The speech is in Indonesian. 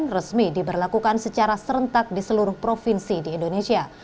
resmi diberlakukan secara serentak di seluruh provinsi di indonesia